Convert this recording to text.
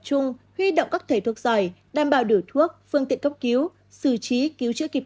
chung huy động các thể thuốc giỏi đảm bảo điều thuốc phương tiện cấp cứu xử trí cứu chữa kịp